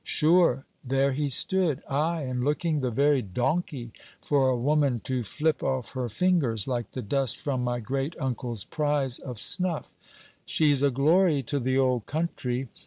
Sure, there he stood; ay, and looking the very donkey for a woman to flip off her fingers, like the dust from my great uncle's prise of snuff! She's a glory to the old country.